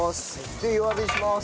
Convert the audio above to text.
で弱火にします。